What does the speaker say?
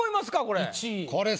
これ。